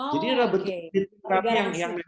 jadi ada bentuk yang memang